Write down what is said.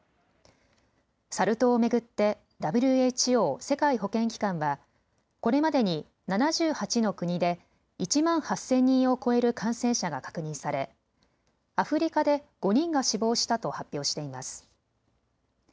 サル痘を巡ってＷＨＯ・世界保健機関はこれまでに７８の国で１万８０００人を超える感染者が確認されアフリカで５人が死亡したと発表しています。